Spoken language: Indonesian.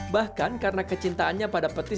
bahkan karena kecintaannya pada petir